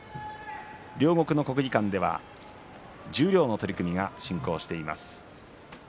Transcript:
両国の国技館では十両の取組が進行しています。